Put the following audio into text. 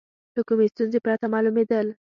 له کومې ستونزې پرته معلومېدل.